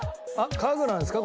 家具なんですか？